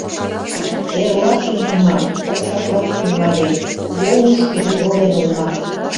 Эрлашыжымак окшаклаш тӱҥале: йолышкыжо волен улмаш.